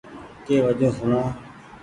ڪي وجون سوڻا ۔